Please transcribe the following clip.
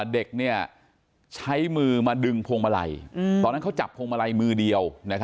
เด็กใช้มือมาดึงพวงมาลัยตอนนั้นเขาจับพวงมาลัยมือเดียว